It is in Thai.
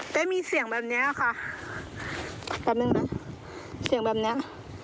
แต่มีเสียงแบบเนี้ยค่ะแป๊บนึงนะเสียงแบบเนี้ย